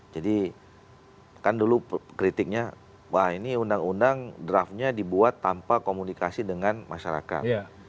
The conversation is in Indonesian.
jadi kan dulu kritiknya bahwa ini undang undang draftnya dibuat tanpa komunikasi dengan masyarakat